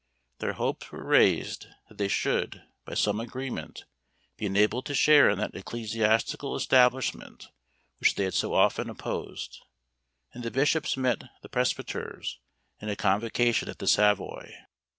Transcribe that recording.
Their hopes were raised that they should, by some agreement, be enabled to share in that ecclesiastical establishment which they had so often opposed; and the bishops met the presbyters in a convocation at the Savoy.